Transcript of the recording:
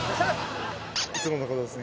いつもの事ですね。